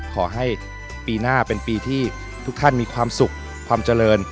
ขอให้ปีหน้าเป็นปีที่ทุกท่านมีความสุขความเจริญ